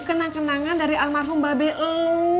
kenang kenangan dari almarhum babel lo